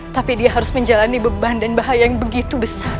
tapi dia harus menjalani beban dan bahaya yang begitu besar